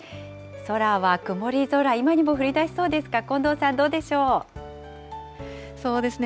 空は曇り空、今にも降りだしそうですか、近藤さん、そうですね。